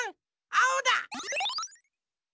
あおだ！